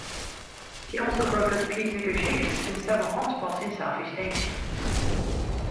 He also brokered peace negotiations in several hot spots in Southeast Asia.